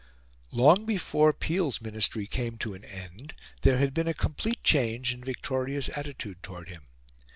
Long before Peel's ministry came to an end, there had been a complete change in Victoria's attitude towards him.